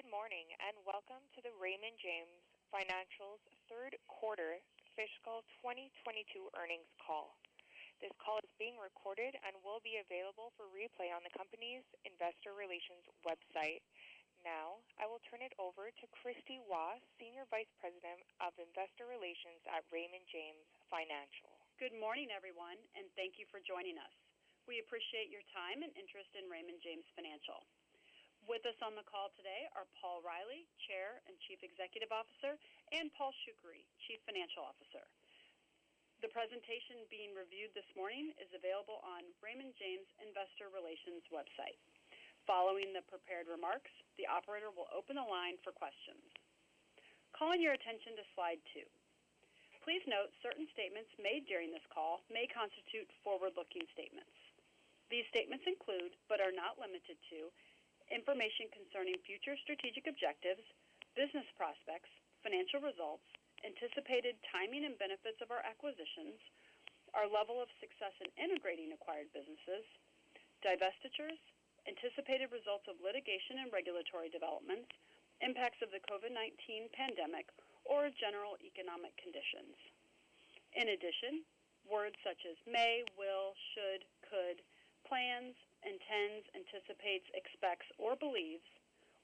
Good morning, and welcome to the Raymond James Financial's Third Quarter Fiscal 2022 Earnings Call. This call is being recorded and will be available for replay on the company's investor relations website. Now I will turn it over to Kristie Waugh, Senior Vice President of Investor Relations at Raymond James Financial. Good morning, everyone, and thank you for joining us. We appreciate your time and interest in Raymond James Financial. With us on the call today are Paul Reilly, Chair and Chief Executive Officer, and Paul Shoukry, Chief Financial Officer. The presentation being reviewed this morning is available on Raymond James Investor Relations website. Following the prepared remarks, the operator will open the line for questions. Calling your attention to slide two. Please note certain statements made during this call may constitute forward-looking statements. These statements include, but are not limited to, information concerning future strategic objectives, business prospects, financial results, anticipated timing and benefits of our acquisitions, our level of success in integrating acquired businesses, divestitures, anticipated results of litigation and regulatory developments, impacts of the COVID-19 pandemic or general economic conditions. In addition, words such as may, will, should, could, plans, intends, anticipates, expects, or believes,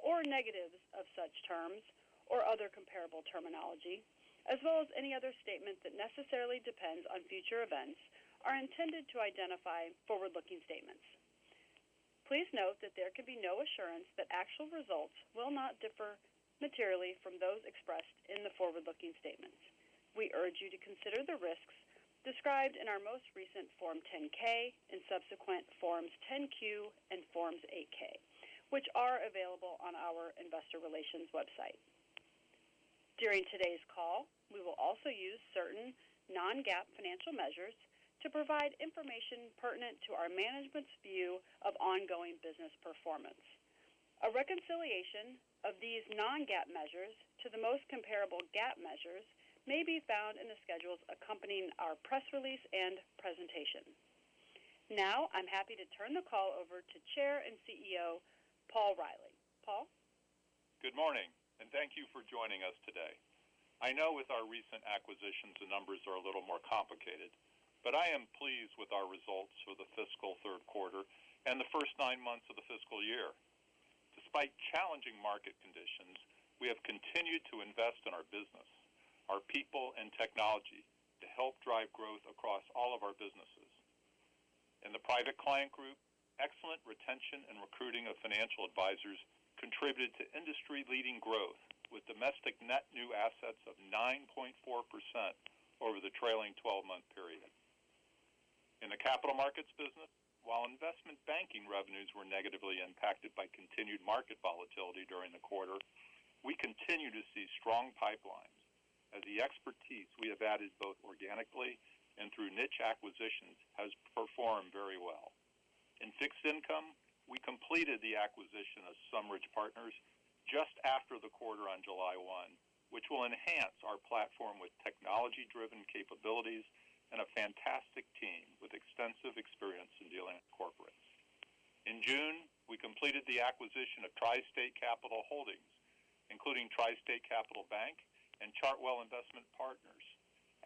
or negatives of such terms or other comparable terminology, as well as any other statement that necessarily depends on future events, are intended to identify forward-looking statements. Please note that there can be no assurance that actual results will not differ materially from those expressed in the forward-looking statements. We urge you to consider the risks described in our most recent Form 10-K and subsequent Forms 10-Q and Forms 8-K, which are available on our investor relations website. During today's call, we will also use certain non-GAAP financial measures to provide information pertinent to our management's view of ongoing business performance. A reconciliation of these non-GAAP measures to the most comparable GAAP measures may be found in the schedules accompanying our press release and presentation. Now I'm happy to turn the call over to Chair and CEO, Paul Reilly. Paul. Good morning, and thank you for joining us today. I know with our recent acquisitions, the numbers are a little more complicated, but I am pleased with our results for the fiscal third quarter and the first nine months of the fiscal year. Despite challenging market conditions, we have continued to invest in our business, our people and technology to help drive growth across all of our businesses. In the Private Client Group, excellent retention and recruiting of financial advisors contributed to industry-leading growth with domestic net new assets of 9.4% over the trailing 12-month period. In the Capital Markets business, while investment banking revenues were negatively impacted by continued market volatility during the quarter, we continue to see strong pipelines as the expertise we have added both organically and through niche acquisitions has performed very well. In Fixed Income, we completed the acquisition of SumRidge Partners just after the quarter on July 1, which will enhance our platform with technology-driven capabilities and a fantastic team with extensive experience in dealing with corporates. In June, we completed the acquisition of TriState Capital Holdings, including TriState Capital Bank and Chartwell Investment Partners,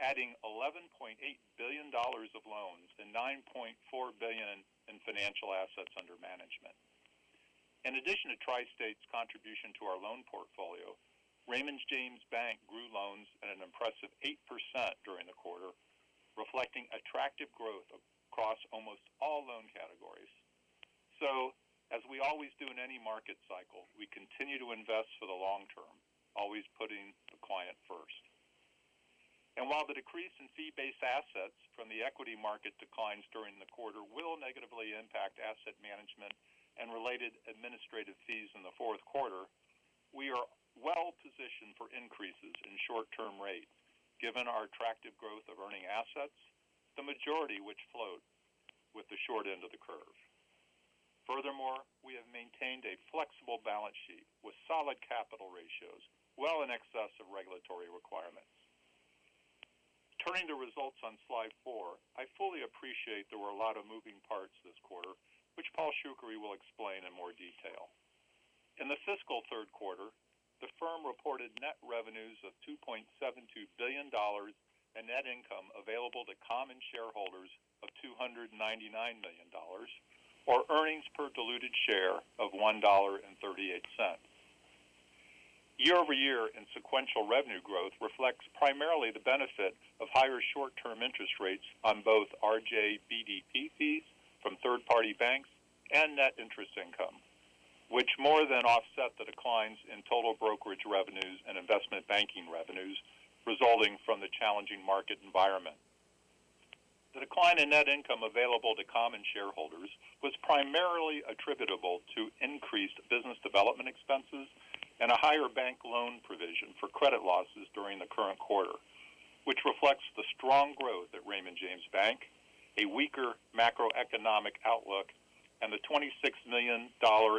adding $11.8 billion of loans and $9.4 billion in financial assets under management. In addition to TriState's contribution to our loan portfolio, Raymond James Bank grew loans at an impressive 8% during the quarter, reflecting attractive growth across almost all loan categories. As we always do in any market cycle, we continue to invest for the long term, always putting the client first. While the decrease in fee-based assets from the equity market declines during the quarter will negatively impact asset management and related administrative fees in the fourth quarter, we are well positioned for increases in short-term rates given our attractive growth of earning assets, the majority which float with the short end of the curve. Furthermore, we have maintained a flexible balance sheet with solid capital ratios well in excess of regulatory requirements. Turning to results on slide four. I fully appreciate there were a lot of moving parts this quarter, which Paul Shoukry will explain in more detail. In the fiscal third quarter, the firm reported net revenues of $2.72 billion and net income available to common shareholders of $299 million, or earnings per diluted share of $1.38. Year-over-year and sequential revenue growth reflects primarily the benefit of higher short-term interest rates on both RJBDP fees from third-party banks and net interest income, which more than offset the declines in total brokerage revenues and investment banking revenues resulting from the challenging market environment. The decline in net income available to common shareholders was primarily attributable to increased business development expenses and a higher bank loan provision for credit losses during the current quarter, which reflects the strong growth at Raymond James Bank, a weaker macroeconomic outlook, and the $26 million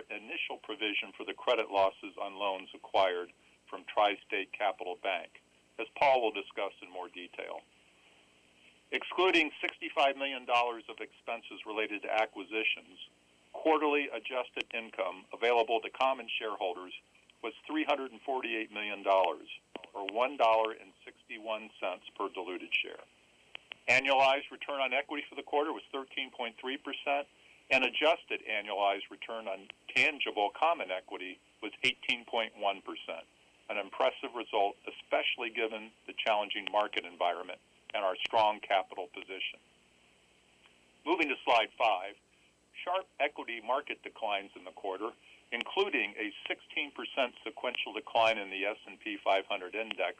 initial provision for the credit losses on loans acquired from TriState Capital Bank, as Paul will discuss in more detail. Excluding $65 million of expenses related to acquisitions, quarterly adjusted income available to common shareholders was $348 million, or $1.61 per diluted share. Annualized return on equity for the quarter was 13.3%, and adjusted annualized return on tangible common equity was 18.1%. An impressive result, especially given the challenging market environment and our strong capital position. Moving to slide five. Sharp equity market declines in the quarter, including a 16% sequential decline in the S&P 500 index,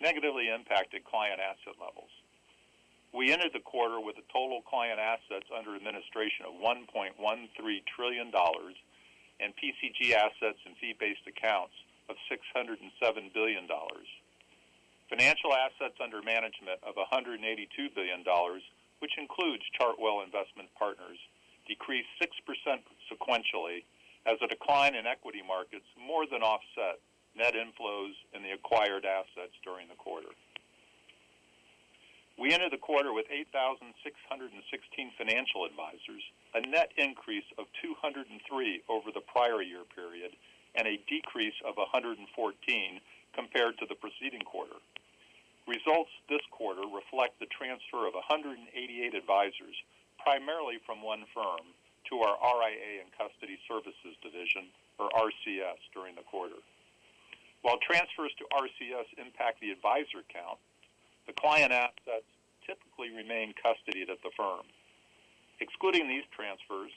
negatively impacted client asset levels. We entered the quarter with a total client assets under administration of $1.13 trillion and PCG assets and fee-based accounts of $607 billion. Financial assets under management of $182 billion, which includes Chartwell Investment Partners, decreased 6% sequentially as a decline in equity markets more than offset net inflows and the acquired assets during the quarter. We entered the quarter with 8,616 financial advisors, a net increase of 203 over the prior year period and a decrease of 114 compared to the preceding quarter. Results this quarter reflect the transfer of 188 advisors, primarily from one firm, to our RIA and Custody Services division, or RCS, during the quarter. While transfers to RCS impact the advisor count, the client assets typically remain custodied at the firm. Excluding these transfers,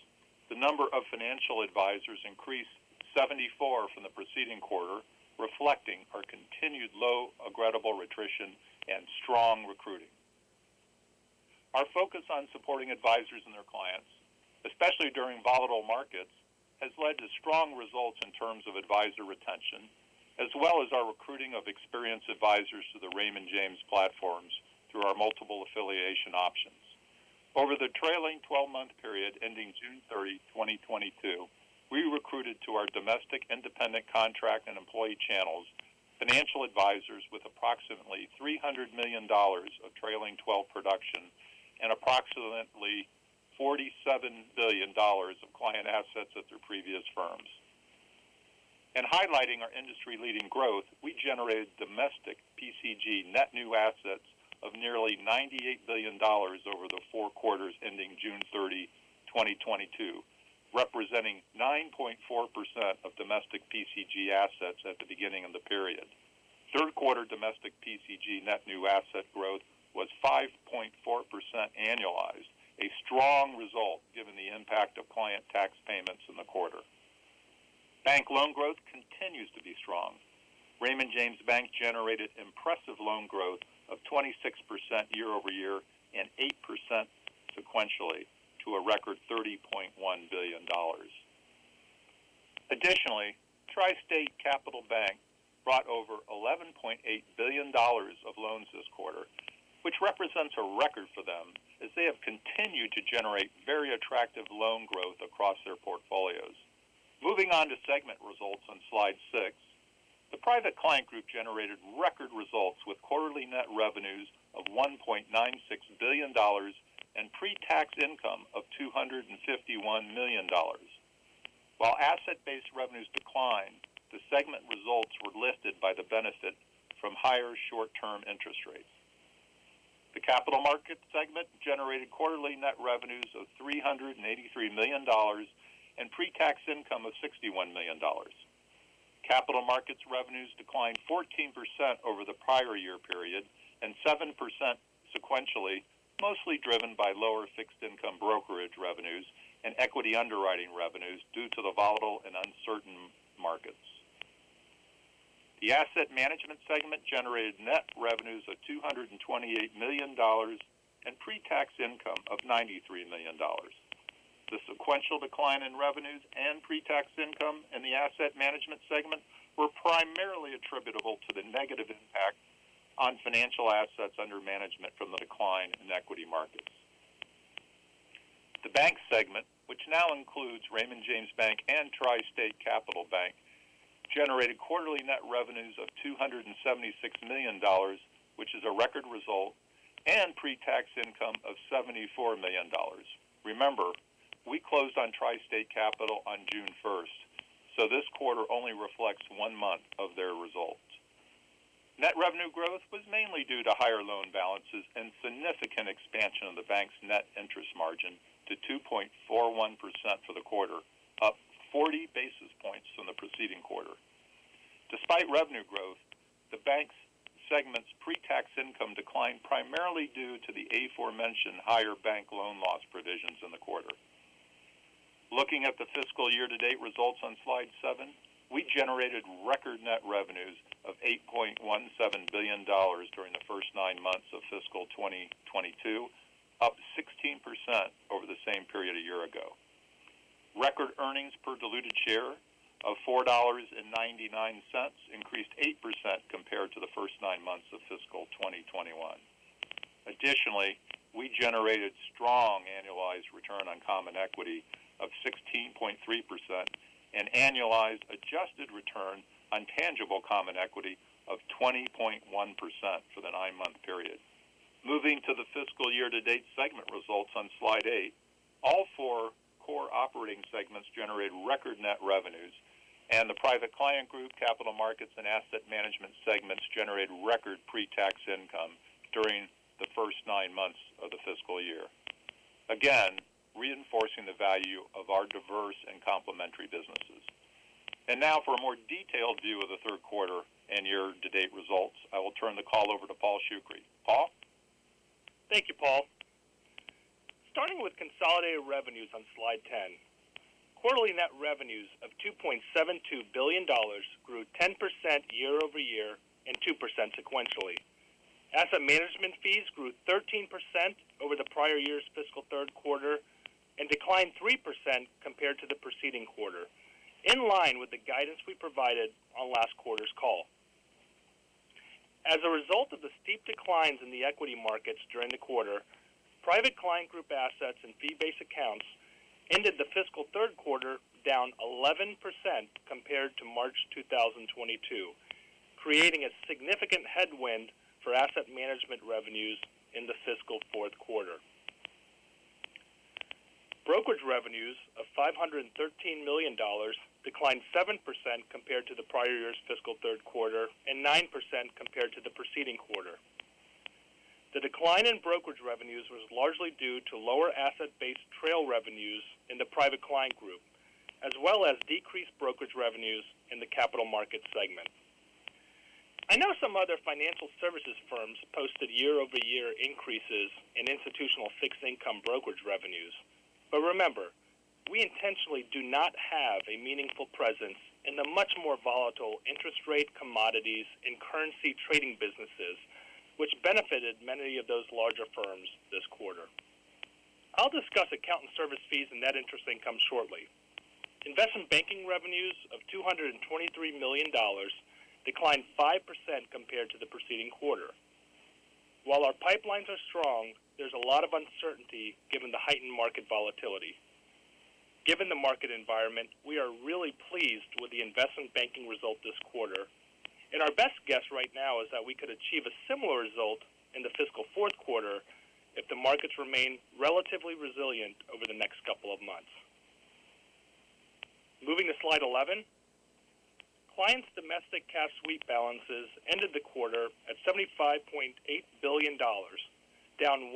the number of financial advisors increased 74 from the preceding quarter, reflecting our continued low credible attrition and strong recruiting. Our focus on supporting advisors and their clients, especially during volatile markets, has led to strong results in terms of advisor retention as well as our recruiting of experienced advisors to the Raymond James platforms through our multiple affiliation options. Over the trailing 12-month period ending June 30, 2022, we recruited to our domestic independent contract and employee channels financial advisors with approximately $300 million of trailing 12 production and approximately $47 billion of client assets at their previous firms. In highlighting our industry-leading growth, we generated domestic PCG net new assets of nearly $98 billion over the four quarters ending June 30, 2022, representing 9.4% of domestic PCG assets at the beginning of the period. Third quarter domestic PCG net new asset growth was 5.4% annualized, a strong result given the impact of client tax payments in the quarter. Bank loan growth continues to be strong. Raymond James Bank generated impressive loan growth of 26% year-over-year and 8% sequentially to a record $30.1 billion. Additionally, TriState Capital Bank brought over $11.8 billion of loans this quarter, which represents a record for them as they have continued to generate very attractive loan growth across their portfolios. Moving on to segment results on slide six. The Private Client Group generated record results with quarterly net revenues of $1.96 billion and pre-tax income of $251 million. While asset-based revenues declined, the segment results were lifted by the benefit from higher short-term interest rates. The Capital Markets segment generated quarterly net revenues of $383 million and pre-tax income of $61 million. Capital Markets revenues declined 14% over the prior year period and 7% sequentially, mostly driven by lower fixed income brokerage revenues and equity underwriting revenues due to the volatile and uncertain markets. The Asset Management segment generated net revenues of $228 million and pre-tax income of $93 million. The sequential decline in revenues and pre-tax income in the Asset Management segment were primarily attributable to the negative impact on financial assets under management from the decline in equity markets. The Bank segment, which now includes Raymond James Bank and TriState Capital Bank, generated quarterly net revenues of $276 million, which is a record result, and pre-tax income of $74 million. Remember, we closed on TriState Capital on June first, so this quarter only reflects one month of their results. Net revenue growth was mainly due to higher loan balances and significant expansion of the bank's net interest margin to 2.41% for the quarter, up 40 basis points from the preceding quarter. Despite revenue growth, the bank segment's pre-tax income declined primarily due to the aforementioned higher bank loan loss provisions in the quarter. Looking at the fiscal year-to-date results on slide seven, we generated record net revenues of $8.17 billion during the first nine months of fiscal 2022, up 16% over the same period a year ago. Record earnings per diluted share of $4.99 increased 8% compared to the first nine months of fiscal 2021. Additionally, we generated strong annualized return on common equity of 16.3% and annualized adjusted return on tangible common equity of 20.1% for the nine-month period. Moving to the fiscal year-to-date segment results on slide eight. All four core operating segments generated record net revenues, and the Private Client Group, Capital Markets, and Asset Management segments generated record pre-tax income during the first nine months of the fiscal year. Again, reinforcing the value of our diverse and complementary businesses. Now for a more detailed view of the third quarter and year-to-date results, I will turn the call over to Paul Shoukry. Paul? Thank you, Paul. Starting with consolidated revenues on slide 10. Quarterly net revenues of $2.72 billion grew 10% year-over-year and 2% sequentially. Asset Management fees grew 13% over the prior year's fiscal third quarter and declined 3% compared to the preceding quarter, in line with the guidance we provided on last quarter's call. As a result of the steep declines in the equity markets during the quarter, Private Client Group assets and fee-based accounts ended the fiscal third quarter down 11% compared to March 2022, creating a significant headwind for Asset Management revenues in the fiscal fourth quarter. Brokerage revenues of $513 million declined 7% compared to the prior year's fiscal third quarter and 9% compared to the preceding quarter. The decline in brokerage revenues was largely due to lower asset-based trail revenues in the Private Client Group, as well as decreased brokerage revenues in the Capital Markets segment. I know some other financial services firms posted year-over-year increases in institutional fixed income brokerage revenues. Remember, we intentionally do not have a meaningful presence in the much more volatile interest rate, commodities, and currency trading businesses, which benefited many of those larger firms this quarter. I'll discuss account and service fees and net interest income shortly. Investment banking revenues of $223 million declined 5% compared to the preceding quarter. While our pipelines are strong, there's a lot of uncertainty given the heightened market volatility. Given the market environment, we are really pleased with the investment banking result this quarter. Our best guess right now is that we could achieve a similar result in the fiscal fourth quarter if the markets remain relatively resilient over the next couple of months. Moving to slide 11. Clients' domestic cash sweep balances ended the quarter at $75.8 billion, down 1%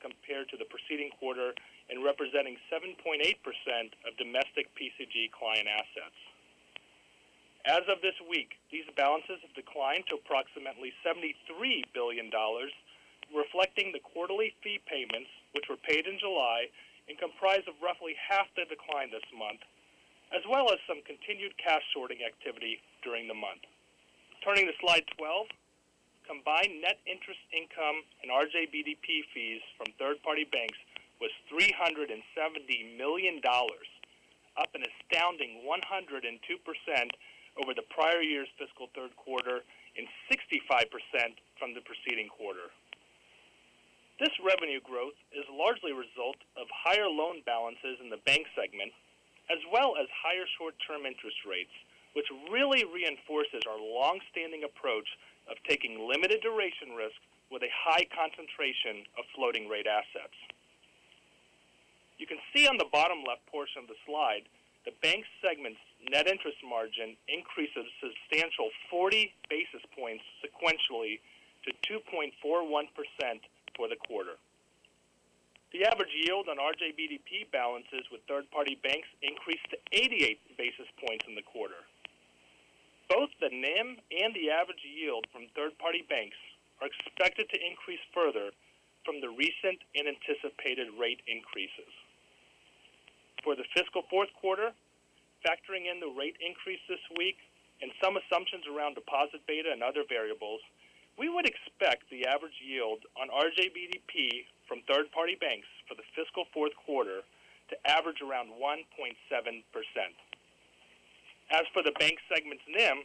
compared to the preceding quarter and representing 7.8% of domestic PCG client assets. As of this week, these balances have declined to approximately $73 billion, reflecting the quarterly fee payments, which were paid in July and comprise of roughly half the decline this month, as well as some continued cash sorting activity during the month. Turning to slide 12. Combined net interest income and RJBDP fees from third-party banks was $370 million, up an astounding 102% over the prior year's fiscal third quarter and 65% from the preceding quarter. This revenue growth is largely a result of higher loan balances in the bank segment, as well as higher short-term interest rates, which really reinforces our long-standing approach of taking limited duration risk with a high concentration of floating-rate assets. You can see on the bottom left portion of the slide, the bank segment's net interest margin increases a substantial 40 basis points sequentially to 2.41% for the quarter. The average yield on RJBDP balances with third-party banks increased to 88 basis points in the quarter. Both the NIM and the average yield from third-party banks are expected to increase further from the recent and anticipated rate increases. For the fiscal fourth quarter, factoring in the rate increase this week and some assumptions around deposit beta and other variables, we would expect the average yield on RJBDP from third-party banks for the fiscal fourth quarter to average around 1.7%. As for the bank segment's NIM,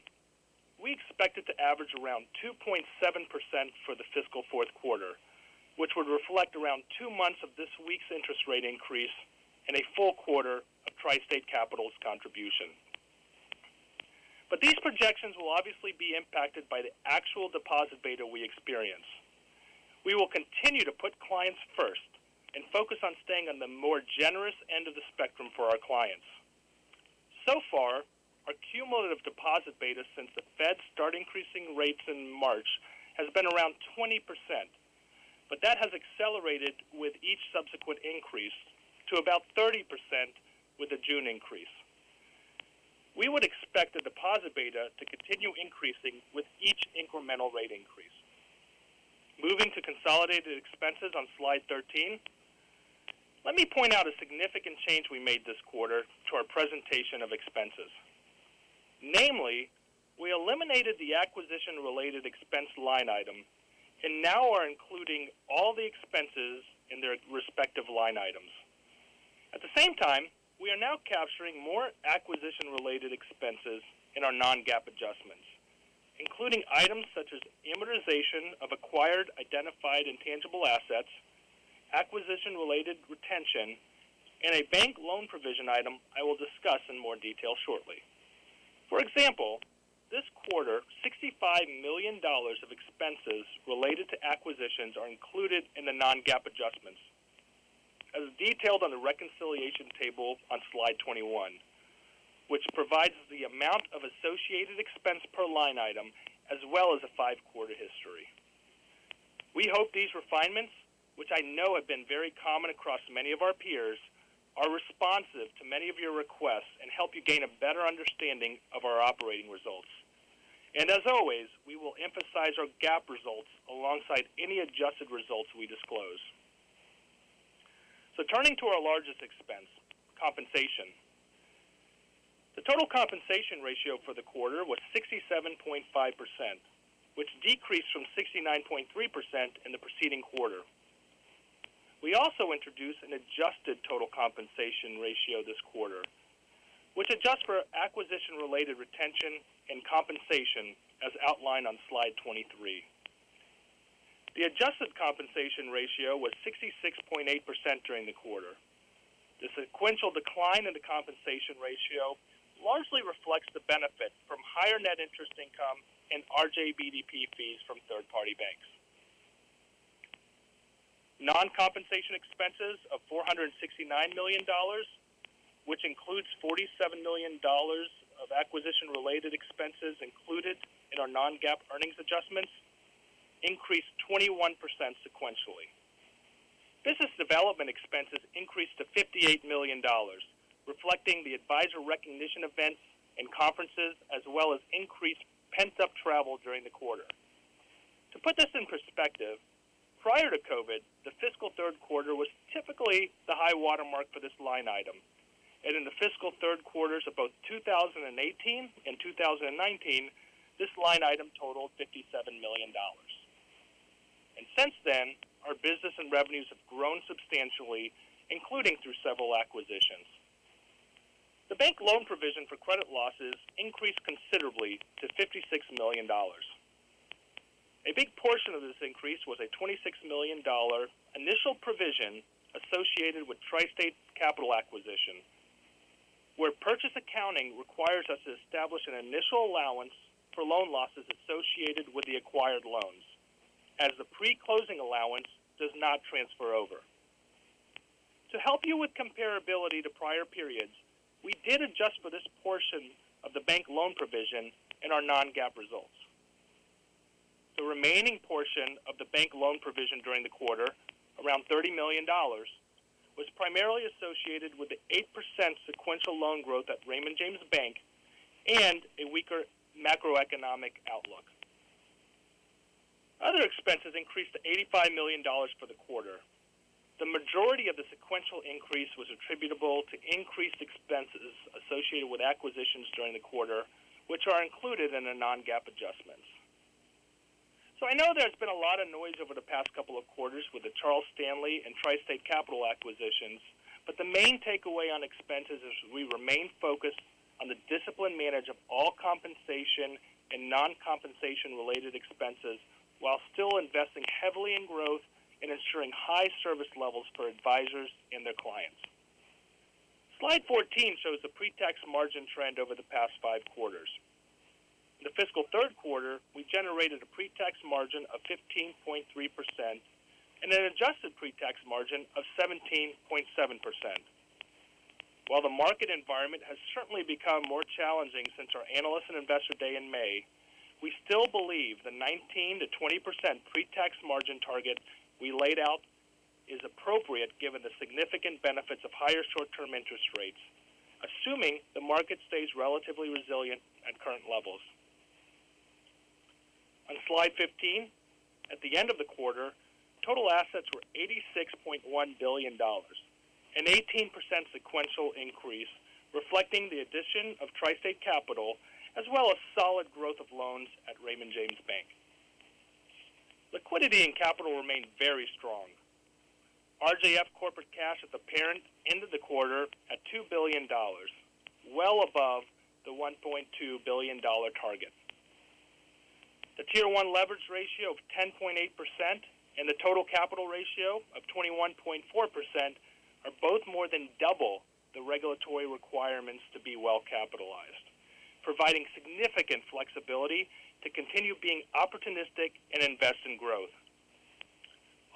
we expect it to average around 2.7% for the fiscal fourth quarter, which would reflect around two months of this week's interest rate increase, and a full quarter of TriState Capital's contribution. These projections will obviously be impacted by the actual deposit beta we experience. We will continue to put clients first and focus on staying on the more generous end of the spectrum for our clients. So far, our cumulative deposit beta since the Fed started increasing rates in March has been around 20%, but that has accelerated with each subsequent increase to about 30% with the June increase. We would expect the deposit beta to continue increasing with each incremental rate increase. Moving to consolidated expenses on slide 13. Let me point out a significant change we made this quarter to our presentation of expenses. Namely, we eliminated the acquisition-related expense line item and now are including all the expenses in their respective line items. At the same time, we are now capturing more acquisition-related expenses in our non-GAAP adjustments, including items such as amortization of acquired identifiable intangible assets, acquisition-related retention, and a bank loan provision item I will discuss in more detail shortly. For example, this quarter, $65 million of expenses related to acquisitions are included in the non-GAAP adjustments. As detailed on the reconciliation table on slide 21, which provides the amount of associated expense per line item as well as a five-quarter history. We hope these refinements, which I know have been very common across many of our peers, are responsive to many of your requests and help you gain a better understanding of our operating results. As always, we will emphasize our GAAP results alongside any adjusted results we disclose. Turning to our largest expense, compensation. The total compensation ratio for the quarter was 67.5%, which decreased from 69.3% in the preceding quarter. We also introduced an adjusted total compensation ratio this quarter, which adjusts for acquisition-related retention and compensation, as outlined on slide 23. The adjusted compensation ratio was 66.8% during the quarter. The sequential decline in the compensation ratio largely reflects the benefit from higher net interest income and RJBDP fees from third-party banks. Non-compensation expenses of $469 million, which includes $47 million of acquisition-related expenses included in our non-GAAP earnings adjustments, increased 21% sequentially. Business development expenses increased to $58 million, reflecting the advisor recognition events and conferences, as well as increased pent-up travel during the quarter. To put this in perspective, prior to COVID, the fiscal third quarter was typically the high watermark for this line item. In the fiscal third quarters of both 2018 and 2019, this line item totaled $57 million. Since then, our business and revenues have grown substantially, including through several acquisitions. The bank loan provision for credit losses increased considerably to $56 million. A big portion of this increase was a $26 million initial provision associated with TriState Capital acquisition, where purchase accounting requires us to establish an initial allowance for loan losses associated with the acquired loans, as the pre-closing allowance does not transfer over. To help you with comparability to prior periods, we did adjust for this portion of the bank loan provision in our non-GAAP results. The remaining portion of the bank loan provision during the quarter, around $30 million, was primarily associated with the 8% sequential loan growth at Raymond James Bank and a weaker macroeconomic outlook. Other expenses increased to $85 million for the quarter. The majority of the sequential increase was attributable to increased expenses associated with acquisitions during the quarter, which are included in the non-GAAP adjustments. I know there's been a lot of noise over the past couple of quarters with the Charles Stanley and TriState Capital acquisitions, but the main takeaway on expenses is we remain focused on the disciplined management of all compensation and non-compensation related expenses while still investing heavily in growth and ensuring high service levels for advisors and their clients. Slide 14 shows the pre-tax margin trend over the past five quarters. In the fiscal third quarter, we generated a pre-tax margin of 15.3% and an adjusted pre-tax margin of 17.7%. While the market environment has certainly become more challenging since our Analyst and Investor Day in May, we still believe the 19%-20% pre-tax margin target we laid out is appropriate given the significant benefits of higher short-term interest rates, assuming the market stays relatively resilient at current levels. On slide 15, at the end of the quarter, total assets were $86.1 billion, an 18% sequential increase reflecting the addition of TriState Capital as well as solid growth of loans at Raymond James Bank. Liquidity and capital remained very strong. RJF corporate cash at the parent ended the quarter at $2 billion, well above the $1.2 billion target. The Tier 1 leverage ratio of 10.8% and the total capital ratio of 21.4% are both more than double the regulatory requirements to be well capitalized, providing significant flexibility to continue being opportunistic and invest in growth.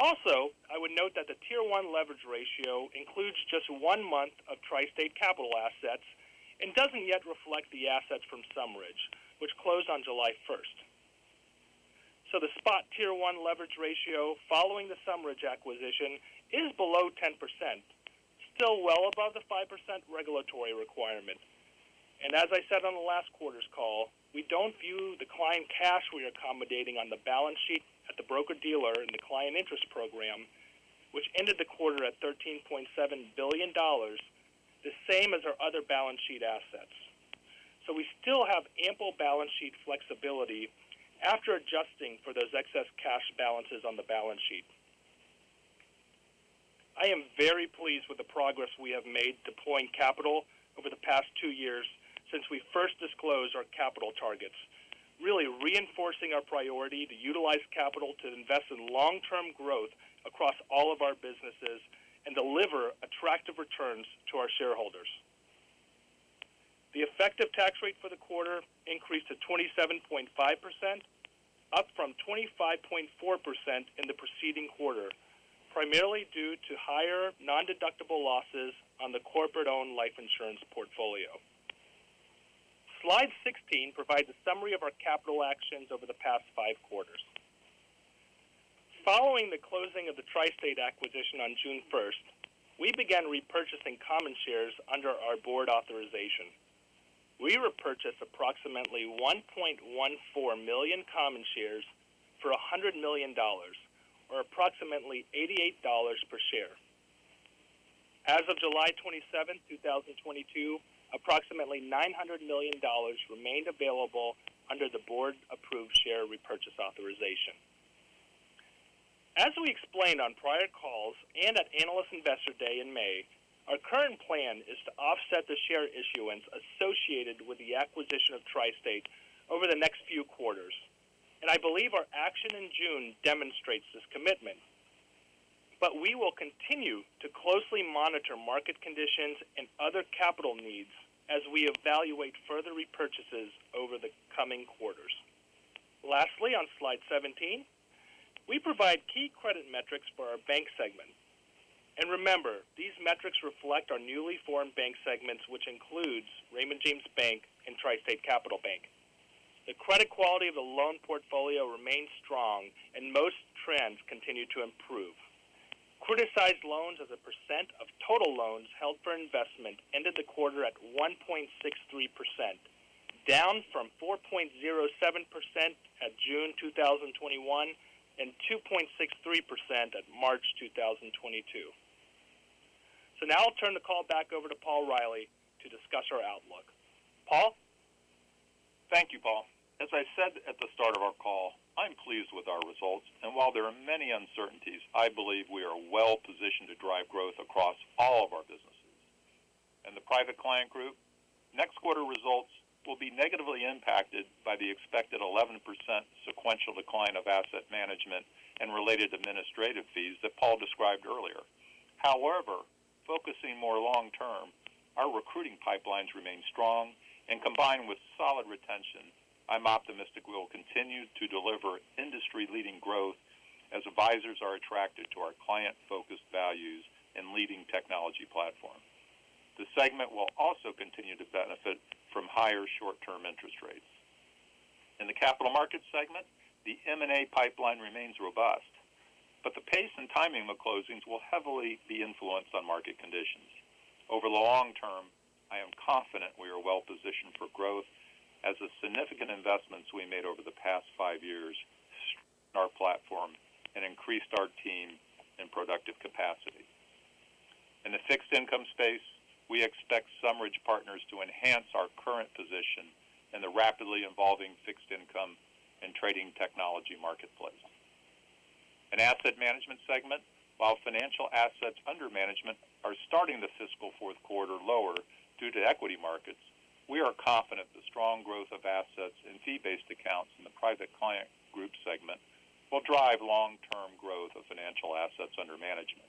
Also, I would note that the Tier 1 leverage ratio includes just one month of TriState Capital assets and doesn't yet reflect the assets from SumRidge, which closed on July first. The spot Tier 1 leverage ratio following the SumRidge acquisition is below 10%, still well above the 5% regulatory requirement. As I said on the last quarter's call, we don't view the client cash we are accommodating on the balance sheet at the broker-dealer in the client interest program, which ended the quarter at $13.7 billion, the same as our other balance sheet assets. We still have ample balance sheet flexibility after adjusting for those excess cash balances on the balance sheet. I am very pleased with the progress we have made deploying capital over the past two years since we first disclosed our capital targets. Really reinforcing our priority to utilize capital to invest in long-term growth across all of our businesses and deliver attractive returns to our shareholders. The effective tax rate for the quarter increased to 27.5%, up from 25.4% in the preceding quarter, primarily due to higher nondeductible losses on the corporate-owned life insurance portfolio. Slide 16 provides a summary of our capital actions over the past five quarters. Following the closing of the TriState Capital acquisition on June 1st, we began repurchasing common shares under our board authorization. We repurchased approximately 1.14 million common shares for $100 million, or approximately $88 per share. As of July 27, 2022, approximately $900 million remained available under the board-approved share repurchase authorization. As we explained on prior calls and at Analyst Investor Day in May, our current plan is to offset the share issuance associated with the acquisition of TriState Capital over the next few quarters, and I believe our action in June demonstrates this commitment. We will continue to closely monitor market conditions and other capital needs as we evaluate further repurchases over the coming quarters. Lastly, on slide 17, we provide key credit metrics for our bank segment. Remember, these metrics reflect our newly formed bank segments, which includes Raymond James Bank and TriState Capital Bank. The credit quality of the loan portfolio remains strong, and most trends continue to improve. Criticized loans as a percent of total loans held for investment ended the quarter at 1.63%, down from 4.07% at June 2021 and 2.63% at March 2022. Now I'll turn the call back over to Paul Reilly to discuss our outlook. Paul? Thank you, Paul. As I said at the start of our call, I'm pleased with our results, and while there are many uncertainties, I believe we are well positioned to drive growth across all of our businesses. In the Private Client Group, next quarter results will be negatively impacted by the expected 11% sequential decline of asset management and related administrative fees that Paul described earlier. However, focusing more long term, our recruiting pipelines remain strong and combined with solid retention, I'm optimistic we will continue to deliver industry-leading growth as advisors are attracted to our client-focused values and leading technology platform. The segment will also continue to benefit from higher short-term interest rates. In the Capital Markets segment, the M&A pipeline remains robust, but the pace and timing of closings will heavily be influenced on market conditions. Over the long term, I am confident we are well positioned for growth as the significant investments we made over the past five years strengthen our platform and increased our team and productive capacity. In the fixed income space, we expect SumRidge Partners to enhance our current position in the rapidly evolving fixed income and trading technology marketplace. In Asset Management segment, while financial assets under management are starting the fiscal fourth quarter lower due to equity markets, we are confident the strong growth of assets in fee-based accounts in the Private Client Group segment will drive long-term growth of financial assets under management.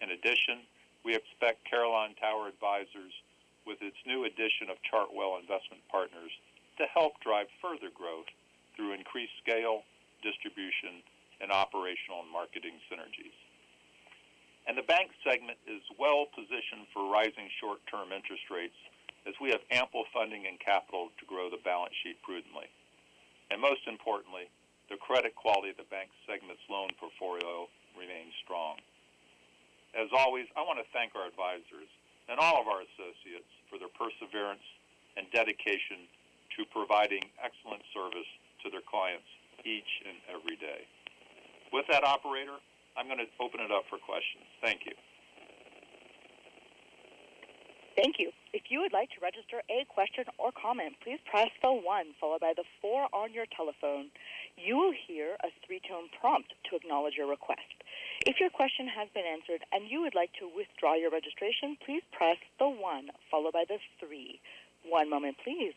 In addition, we expect Carillon Tower Advisers, with its new addition of Chartwell Investment Partners, to help drive further growth through increased scale, distribution, and operational and marketing synergies. The bank segment is well positioned for rising short-term interest rates as we have ample funding and capital to grow the balance sheet prudently. Most importantly, the credit quality of the bank segment's loan portfolio remains strong. As always, I want to thank our advisors and all of our associates for their perseverance and dedication to providing excellent service to their clients each and every day. With that, operator, I'm going to open it up for questions. Thank you. Thank you. If you would like to register a question or comment, please press the one followed by the four on your telephone. You will hear a three-tone prompt to acknowledge your request. If your question has been answered and you would like to withdraw your registration, please press the one followed by the three. One moment please.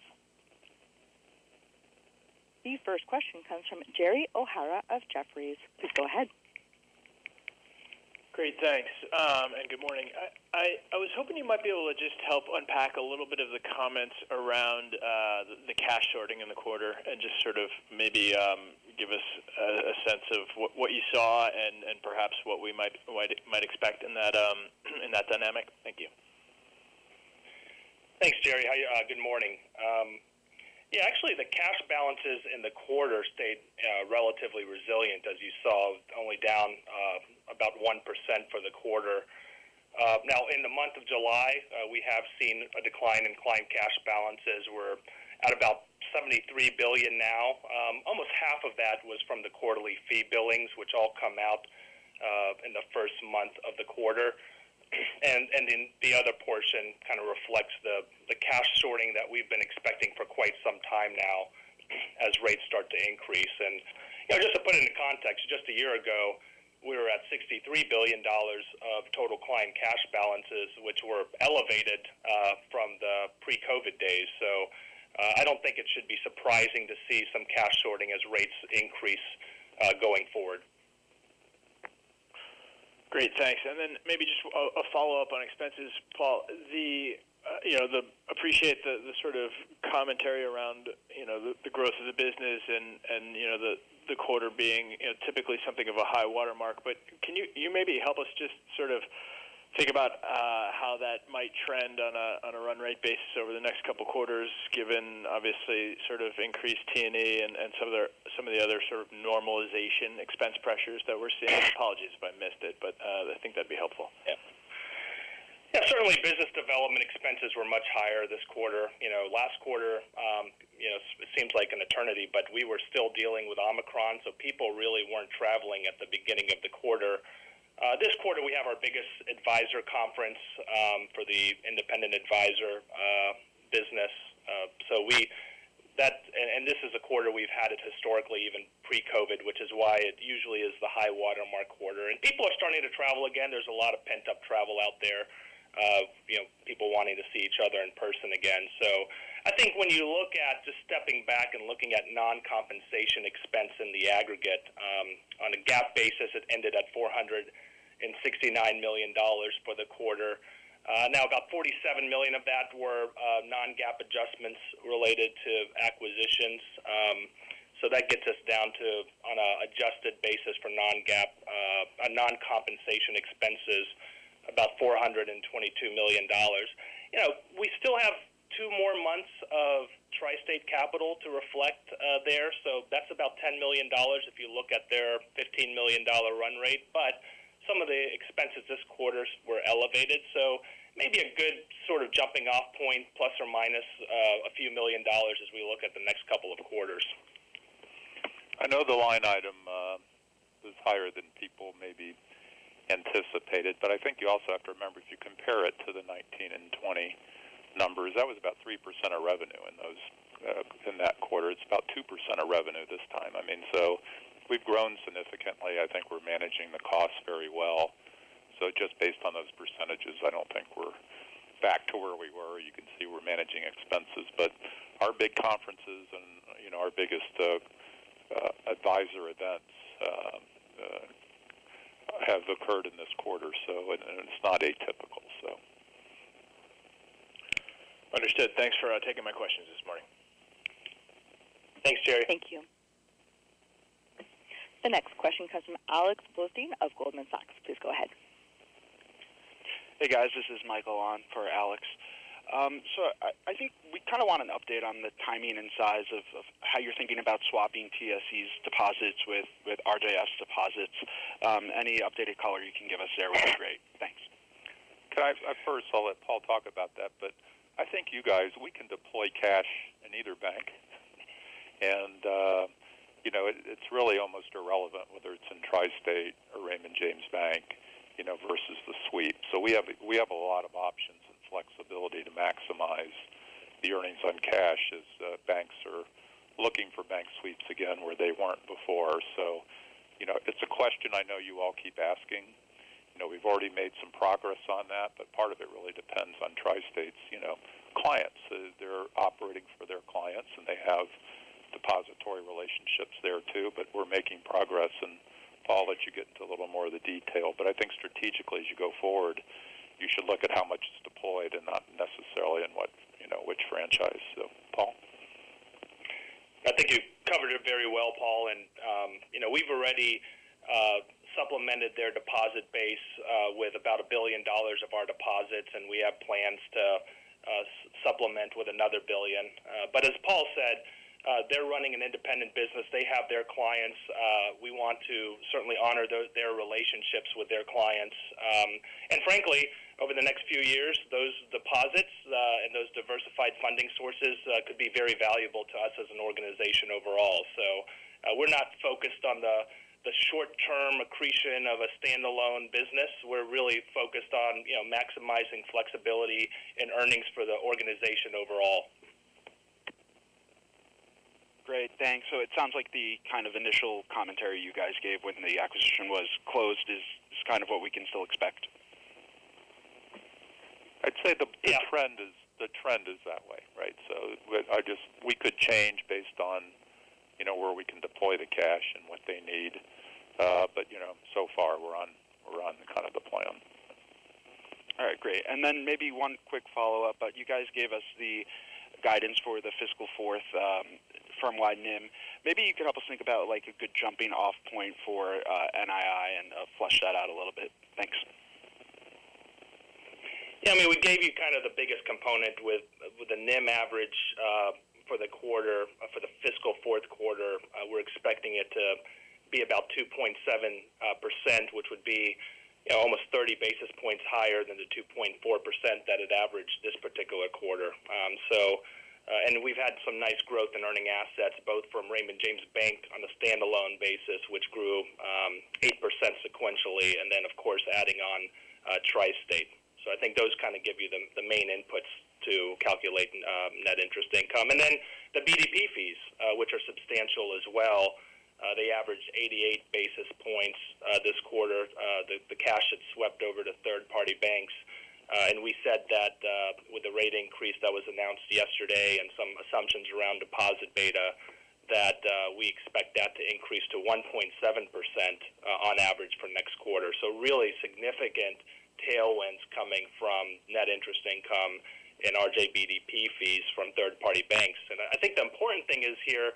The first question comes from Gerald O'Hara of Jefferies. Please go ahead. Great, thanks, and good morning. I was hoping you might be able to just help unpack a little bit of the comments around the cash sorting in the quarter and just sort of maybe give us a sense of what you saw and perhaps what we might expect in that dynamic. Thank you. Thanks, Gerry. How are you? Good morning. Yeah, actually, the cash balances in the quarter stayed relatively resilient, as you saw, only down about 1% for the quarter. Now, in the month of July, we have seen a decline in client cash balances. We're at about $73 billion now. Almost half of that was from the quarterly fee billings, which all come out in the first month of the quarter. The other portion kind of reflects the cash sorting that we've been expecting for quite some time now as rates start to increase. You know, just to put it into context, just a year ago, we were at $63 billion of total client cash balances, which were elevated from the pre-COVID days. I don't think it should be surprising to see some cash sorting as rates increase going forward. Great. Thanks. Maybe just a follow-up on expenses, Paul. I appreciate the sort of commentary around the growth of the business and the quarter being typically something of a high watermark. Can you maybe help us just sort of think about how that might trend on a run rate basis over the next couple quarters, given obviously sort of increased TNE and some of the other sort of normalization expense pressures that we're seeing? Apologies if I missed it, but I think that'd be helpful. Yeah. Certainly business development expenses were much higher this quarter. You know, last quarter, you know, it seems like an eternity, but we were still dealing with Omicron, so people really weren't traveling at the beginning of the quarter. This quarter, we have our biggest advisor conference for the independent advisor business. That's and this is a quarter we've had it historically even pre-COVID, which is why it usually is the high watermark quarter. People are starting to travel again. There's a lot of pent-up travel out there, you know, people wanting to see each other in person again. I think when you look at just stepping back and looking at non-compensation expense in the aggregate, on a GAAP basis, it ended at $469 million for the quarter. Now about $47 million of that were non-GAAP adjustments related to acquisitions. That gets us down to, on an adjusted basis for non-GAAP, non-compensation expenses, about $422 million. You know, we still have two more months of TriState Capital to reflect there. That's about $10 million if you look at their $15 million run rate. Some of the expenses this quarter were elevated. Maybe a good sort of jumping off point, ± a few million dollars as we look at the next couple of quarters. I know the line item is higher than people maybe anticipated, but I think you also have to remember, if you compare it to the 2019 and 2020 numbers, that was about 3% of revenue in those, in that quarter. It's about 2% of revenue this time. I mean, we've grown significantly. I think we're managing the costs very well. Just based on those percentages, I don't think we're back to where we were. You can see we're managing expenses. But our big conferences and, you know, our biggest advisor events have occurred in this quarter, and it's not atypical. Understood. Thanks for taking my questions this morning. Thanks, Gerry. Thank you. The next question comes from Alexander Blostein of Goldman Sachs. Please go ahead. Hey, guys, this is Michael on for Alex. I think we kind of want an update on the timing and size of how you're thinking about swapping TriState's deposits with RJ's deposits. Any updated color you can give us there would be great. Thanks. First I'll let Paul talk about that, but I think you guys, we can deploy cash in either bank. You know, it's really almost irrelevant whether it's in TriState or Raymond James Bank, you know, versus the sweep. We have a lot of options and flexibility to maximize the earnings on cash as banks are looking for bank sweeps again where they weren't before. You know, it's a question I know you all keep asking. You know, we've already made some progress on that, but part of it really depends on TriState's, you know, clients. They're operating for their clients, and they have depository relationships there too. We're making progress. Paul, I'll let you get into a little more of the detail. I think strategically, as you go forward, you should look at how much is deployed and not necessarily in what, you know, which franchise. Paul. I think you covered it very well, Paul. You know, we've already supplemented their deposit base with about $1 billion of our deposits, and we have plans to supplement with another $1 billion. As Paul said, they're running an independent business. They have their clients. We want to certainly honor their relationships with their clients. Frankly, over the next few years, those deposits and those diversified funding sources could be very valuable to us as an organization overall. We're not focused on the short-term accretion of a standalone business. We're really focused on, you know, maximizing flexibility and earnings for the organization overall. Great. Thanks. It sounds like the kind of initial commentary you guys gave when the acquisition was closed is kind of what we can still expect. I'd say the Yeah... the trend is that way, right? We could change based on, you know, where we can deploy the cash and what they need. But you know, so far we're on kind of the plan. All right, great. Maybe one quick follow-up. You guys gave us the guidance for the fiscal fourth firm-wide NIM. Maybe you can help us think about, like, a good jumping off point for NII and flesh that out a little bit. Thanks. Yeah, I mean, we gave you kind of the biggest component with the NIM average for the quarter. For the fiscal fourth quarter, we're expecting it to be about 2.7%, which would be, you know, almost 30 basis points higher than the 2.4% that it averaged this particular quarter. We've had some nice growth in earning assets, both from Raymond James Bank on a standalone basis, which grew 8% sequentially, and then of course, adding on TriState. I think those kind of give you the main inputs to calculate net interest income. Then the RJBDP fees, which are substantial as well. They averaged 88 basis points this quarter. The cash that swept over to third-party banks, and we said that with the rate increase that was announced yesterday and some assumptions around deposit beta, that we expect that to increase to 1.7% on average for next quarter. Really significant tailwinds coming from net interest income and RJBDP fees from third-party banks. I think the important thing here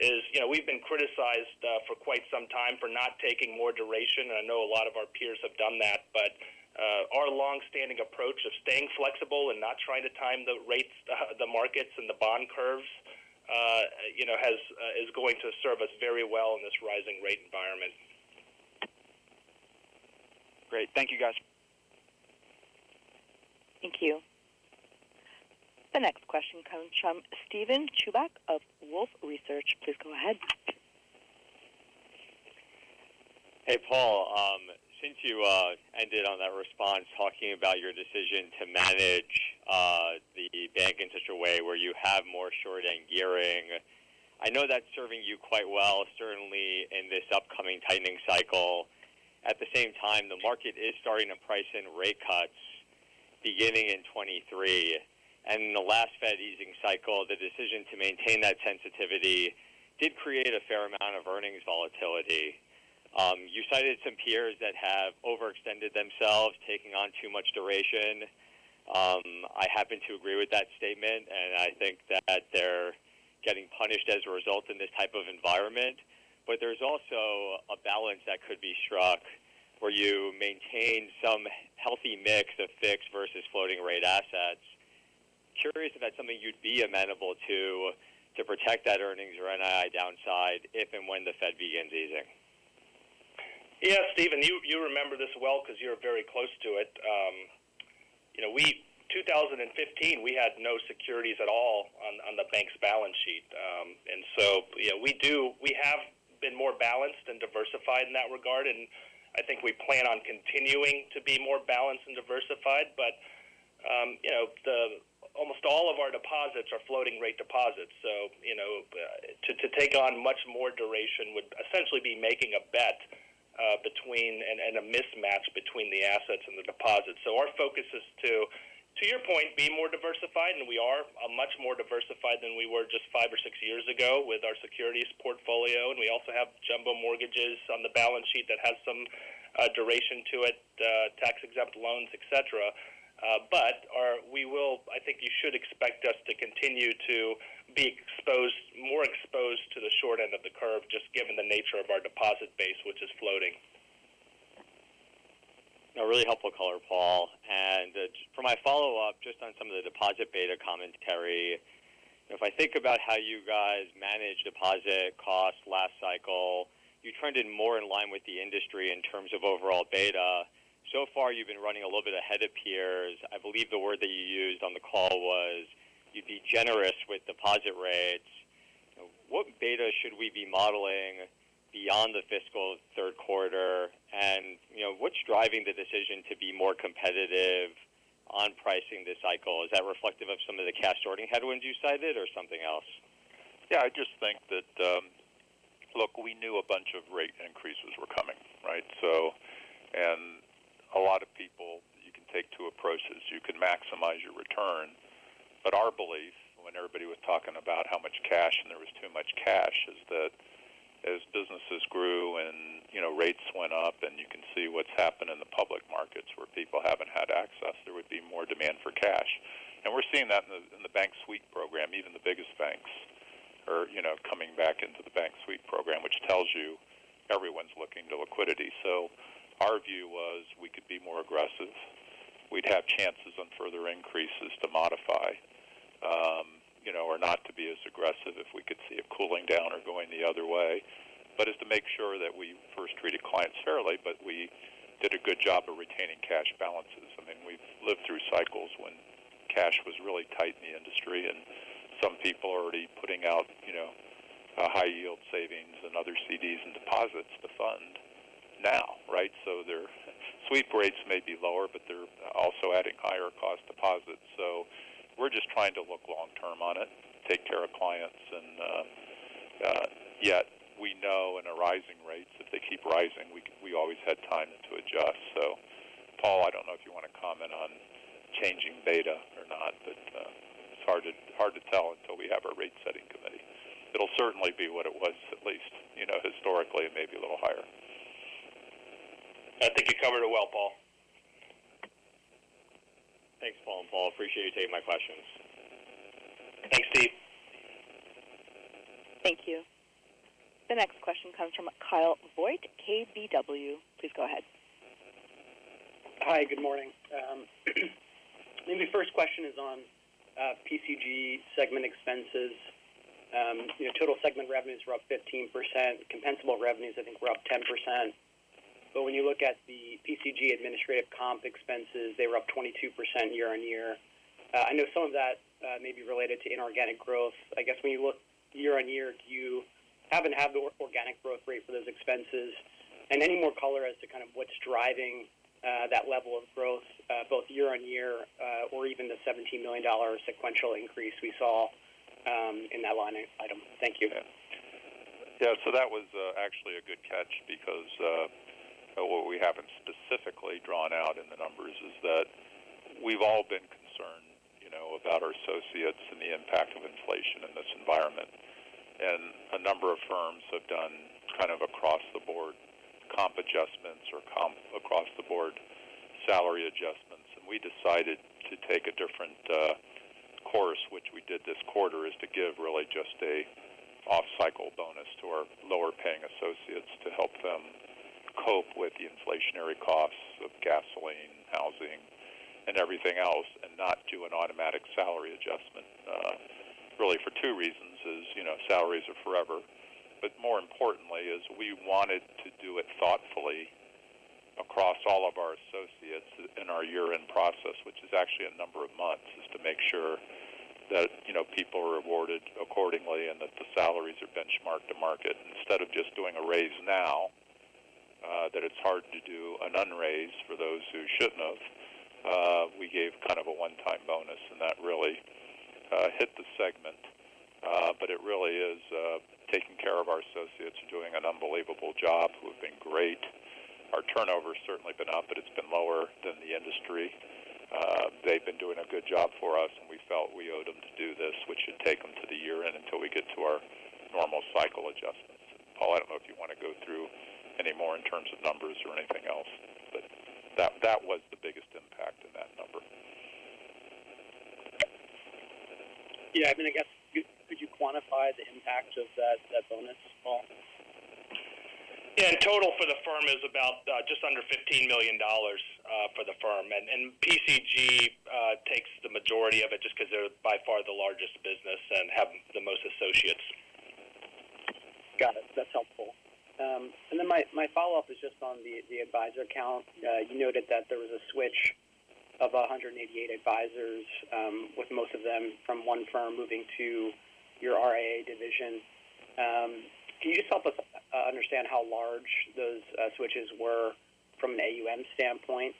is, you know, we've been criticized for quite some time for not taking more duration. I know a lot of our peers have done that, but our long-standing approach of staying flexible and not trying to time the rates, the markets and the bond curves, you know, is going to serve us very well in this rising rate environment. Great. Thank you, guys. Thank you. The next question comes from Steven Chubak of Wolfe Research. Please go ahead. Hey, Paul. Since you ended on that response talking about your decision to manage the bank in such a way where you have more short-end gearing, I know that's serving you quite well, certainly in this upcoming tightening cycle. At the same time, the market is starting to price in rate cuts beginning in 2023. In the last Fed easing cycle, the decision to maintain that sensitivity did create a fair amount of earnings volatility. You cited some peers that have overextended themselves, taking on too much duration. I happen to agree with that statement, and I think that they're getting punished as a result in this type of environment. There's also a balance that could be struck where you maintain some healthy mix of fixed versus floating rate assets. Curious if that's something you'd be amenable to protect that earnings or NII downside if and when the Fed begins easing? Yeah. Steven, you remember this well because you're very close to it. 2015, we had no securities at all on the bank's balance sheet. We have been more balanced and diversified in that regard, and I think we plan on continuing to be more balanced and diversified. Almost all of our deposits are floating rate deposits. To take on much more duration would essentially be making a bet on a mismatch between the assets and the deposits. Our focus is to your point, be more diversified, and we are much more diversified than we were just five or six years ago with our securities portfolio. We also have jumbo mortgages on the balance sheet that has some duration to it, tax-exempt loans, et cetera. I think you should expect us to continue to be more exposed to the short end of the curve, just given the nature of our deposit base, which is floating. A really helpful color, Paul. For my follow-up, just on some of the deposit beta commentary. If I think about how you guys manage deposit costs last cycle, you trended more in line with the industry in terms of overall beta. So far, you've been running a little bit ahead of peers. I believe the word that you used on the call was you'd be generous with deposit rates. What beta should we be modeling beyond the fiscal third quarter? What's driving the decision to be more competitive on pricing this cycle? Is that reflective of some of the cash sorting headwinds you cited or something else? Yeah, I just think that, look, we knew a bunch of rate increases were coming, right? A lot of people, you can take two approaches. You can maximize your return. But our belief when everybody was talking about how much cash and there was too much cash is that as businesses grew and, you know, rates went up and you can see what's happened in the public markets where people haven't had access, there would be more demand for cash. And we're seeing that in the bank sweep program. Even the biggest banks are, you know, coming back into the bank sweep program, which tells you everyone's looking to liquidity. Our view was we could be more aggressive. We'd have chances on further increases to modify, or not to be as aggressive if we could see it cooling down or going the other way. It is to make sure that we first treated clients fairly, but we did a good job of retaining cash balances. I mean, we've lived through cycles when cash was really tight in the industry and some people are already putting out high yield savings and other CDs and deposits to fund now, right? Their sweep rates may be lower, but they're also adding higher cost deposits. We're just trying to look long term on it, take care of clients. Yet we know in rising rates, if they keep rising, we always had time to adjust. Paul, I don't know if you want to comment on changing beta or not, but it's hard to tell until we have our rate setting committee. It'll certainly be what it was at least, you know, historically. It may be a little higher. I think you covered it well, Paul. Thanks, Paul and Paul. Appreciate you taking my questions. Thanks, Steve. Thank you. The next question comes from Kyle Voigt, KBW. Please go ahead. Hi, good morning. Maybe first question is on PCG segment expenses. You know, total segment revenues were up 15%. Compensable revenues I think were up 10%. When you look at the PCG administrative comp expenses, they were up 22% year-over-year. I know some of that may be related to inorganic growth. I guess when you look year-over-year, do you happen to have the organic growth rate for those expenses? Any more color as to kind of what's driving that level of growth, both year-over-year or even the $17 million sequential increase we saw in that line item. Thank you. Yeah. That was actually a good catch because what we haven't specifically drawn out in the numbers is that we've all been concerned, you know, about our associates and the impact of inflation in this environment. A number of firms have done kind of across the board comp adjustments or comp across the board salary adjustments. We decided to take a different course, which we did this quarter, is to give really just a off-cycle bonus to our lower paying associates to help them cope with the inflationary costs of gasoline, housing, and everything else, and not do an automatic salary adjustment, really for two reasons. You know, salaries are forever. More importantly is we wanted to do it thoughtfully across all of our associates in our year-end process, which is actually a number of months, is to make sure that, you know, people are rewarded accordingly and that the salaries are benchmarked to market. Instead of just doing a raise now, that it's hard to do an un-raise for those who shouldn't have. We gave kind of a one-time bonus, and that really, hit the segment. But it really is, taking care of our associates doing an unbelievable job, who have been great. Our turnover's certainly been up, but it's been lower than the industry. They've been doing a good job for us, and we felt we owed them to do this, which should take them to the year-end until we get to our normal cycle adjustments. Paul, I don't know if you want to go through any more in terms of numbers or anything else, but that was the biggest impact in that number. Yeah. I mean, I guess could you quantify the impact of that bonus, Paul? Yeah. In total for the firm is about just under $15 million for the firm. PCG takes the majority of it just because they're by far the largest business and have the most associates. Got it. That's helpful. My follow-up is just on the advisor count. You noted that there was a switch of 188 advisors, with most of them from one firm moving to your RIA division. Can you just help us understand how large those switches were from an AUM standpoint?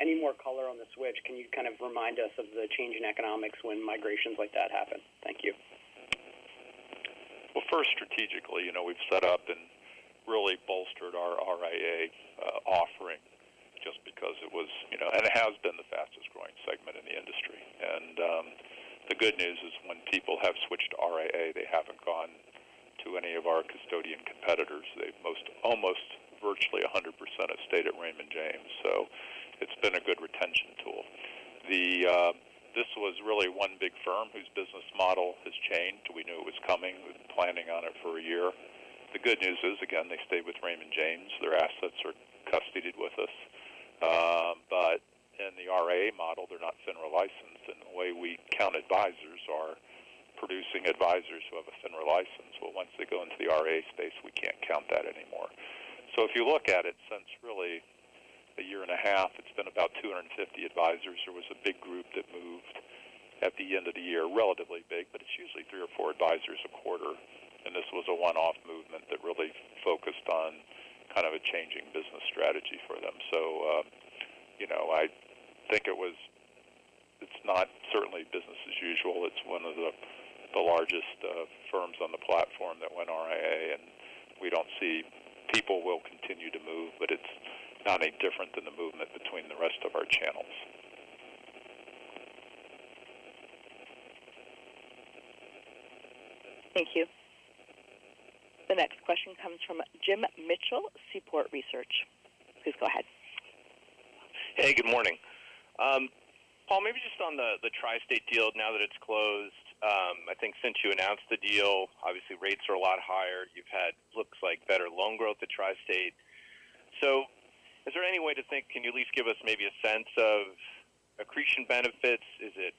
Any more color on the switch, can you kind of remind us of the change in economics when migrations like that happen? Thank you. Well, first strategically, you know, we've set up and really bolstered our RIA offering just because it was, you know, and it has been the fastest growing segment in the industry. The good news is when people have switched to RIA, they haven't gone to any of our custodian competitors. They've almost virtually 100% have stayed at Raymond James. It's been a good retention tool. This was really one big firm whose business model has changed. We knew it was coming. We've been planning on it for a year. The good news is, again, they stayed with Raymond James. Their assets are custodied with us. In the RIA model, they're not FINRA licensed, and the way we count advisors are producing advisors who have a FINRA license. Well, once they go into the RIA space, we can't count that anymore. If you look at it, since really a year and a half, it's been about 250 advisors. There was a big group that moved at the end of the year, relatively big, but it's usually three or four advisors a quarter. This was a one-off movement that really focused on kind of a changing business strategy for them. You know, I think it's not certainly business as usual. It's one of the largest firms on the platform that went RIA, and we don't see people will continue to move, but it's not any different than the movement between the rest of our channels. Thank you. The next question comes from Jim Mitchell, Seaport Research. Please go ahead. Hey, good morning. Paul, maybe just on the TriState deal now that it's closed. I think since you announced the deal, obviously rates are a lot higher. You've had looks like better loan growth at TriState. Is there any way to think, can you at least give us maybe a sense of accretion benefits? Is it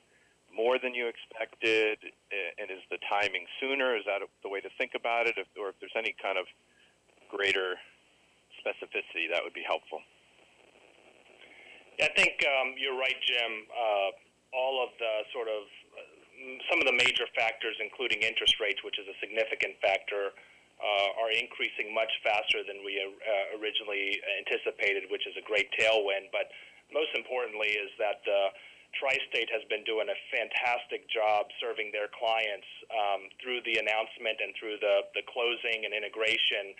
more than you expected? And is the timing sooner? Is that the way to think about it? Or if there's any kind of greater specificity, that would be helpful. Yeah. I think you're right, Jim. Some of the major factors, including interest rates, which is a significant factor, are increasing much faster than we originally anticipated, which is a great tailwind. Most importantly is that TriState has been doing a fantastic job serving their clients through the announcement and through the closing and integration.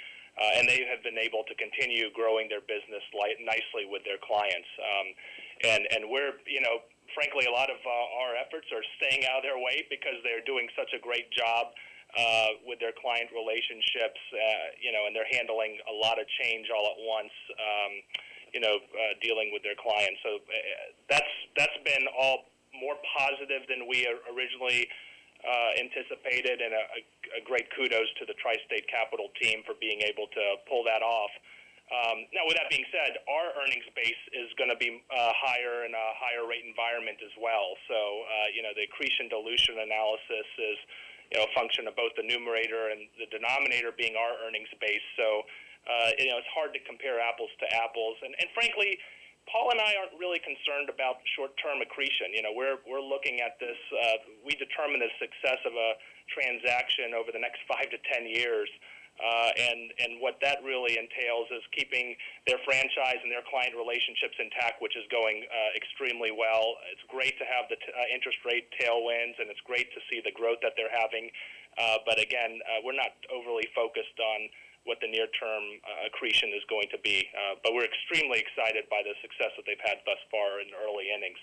They have been able to continue growing their business nicely with their clients. We're, you know, frankly, a lot of our efforts are staying out of their way because they're doing such a great job with their client relationships. You know, they're handling a lot of change all at once, you know, dealing with their clients. That's been all more positive than we originally anticipated and a great kudos to the TriState Capital team for being able to pull that off. Now with that being said, our earnings base is gonna be higher in a higher rate environment as well. You know, the accretion dilution analysis is you know, a function of both the numerator and the denominator being our earnings base. You know, it's hard to compare apples to apples. Frankly, Paul and I aren't really concerned about short-term accretion. You know, we're looking at this, we determine the success of a transaction over the next five-10 years. What that really entails is keeping their franchise and their client relationships intact, which is going extremely well. It's great to have the interest rate tailwinds, and it's great to see the growth that they're having. Again, we're not overly focused on what the near-term accretion is going to be. We're extremely excited by the success that they've had thus far in early innings.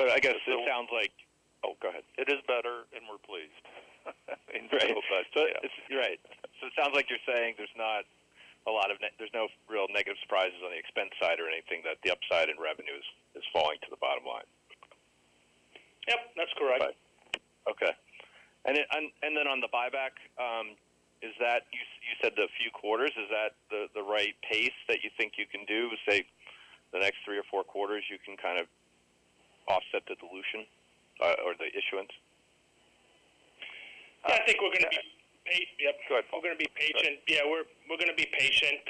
Oh, go ahead. It is better, and we're pleased. Great. A little blessed, yeah. Right. It sounds like you're saying there's no real negative surprises on the expense side or anything that the upside in revenues is flowing to the bottom line. Yep, that's correct. Okay. On the buyback, is that you said the few quarters, is that the right pace that you think you can do, say, the next three or four quarters, you can kind of offset the dilution, or the issuance? I think we're gonna be. Go ahead. We're gonna be patient. Yeah, we're gonna be patient.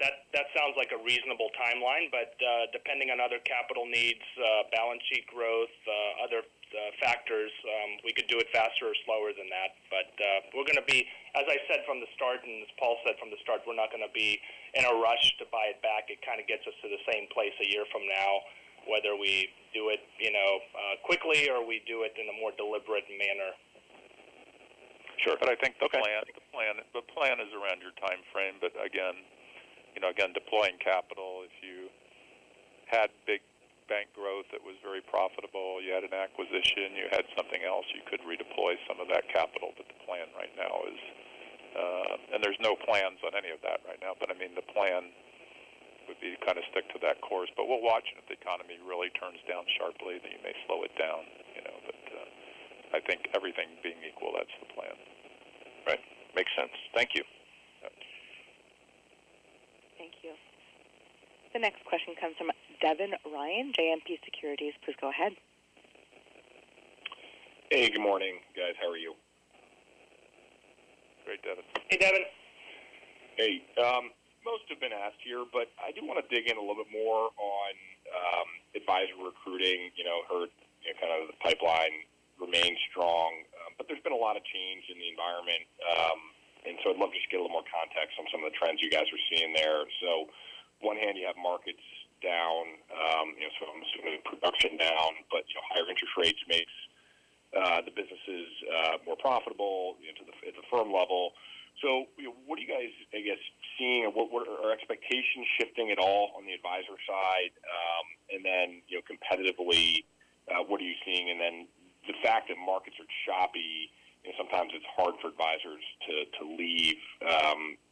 That sounds like a reasonable timeline, but depending on other capital needs, balance sheet growth, other factors, we could do it faster or slower than that. We're gonna be, as I said from the start, and as Paul said from the start, we're not gonna be in a rush to buy it back. It kind of gets us to the same place a year from now, whether we do it, you know, quickly or we do it in a more deliberate manner. Sure. I think the plan is around your timeframe. Again, you know, deploying capital, if you had big bank growth that was very profitable, you had an acquisition, you had something else, you could redeploy some of that capital. The plan right now is. There's no plans on any of that right now. I mean, the plan would be kind of stick to that course. We'll watch. If the economy really turns down sharply, then you may slow it down, you know. I think everything being equal, that's the plan. Right. Makes sense. Thank you. Yeah. Thank you. The next question comes from Devin Ryan, JMP Securities. Please go ahead. Hey, good morning, guys. How are you? Great, Devin. Hey, Devin. Hey. Most have been asked here, but I do wanna dig in a little bit more on advisor recruiting. You know, you've heard, you know, kind of the pipeline remains strong. But there's been a lot of change in the environment. I'd love to just get a little more context on some of the trends you guys are seeing there. On one hand you have markets down, you know, so I'm assuming production down, but, you know, higher interest rates makes the businesses more profitable, you know, at the firm level. You know, what are you guys, I guess, seeing or what are expectations shifting at all on the advisor side? You know, competitively, what are you seeing? The fact that markets are choppy and sometimes it's hard for advisors to leave,